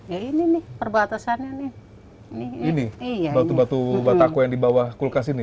ya ini nih perbatasannya nih ini batu batu batako yang di bawah kulkas ini